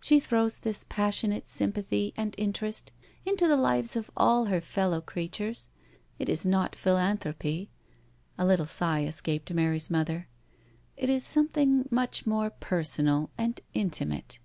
She throws this passionate, sympathy and interest into the lives of all her fellow creatures. It is not philanthropy "— a little sigh escaped Mary's mother —" it is something much more personal and intimate.